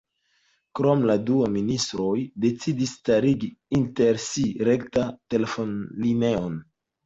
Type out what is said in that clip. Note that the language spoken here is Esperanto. Krome la du ministroj decidis starigi inter si rektan telefonlineon.